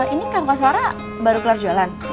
ini kankau sore baru kelar jualan